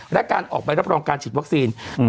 และการออกใบรับรองการฉีดวัคซีน